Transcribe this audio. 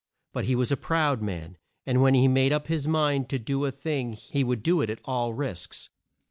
But he was a proud man, and when he made up his mind to do a thing he would do it at all risks.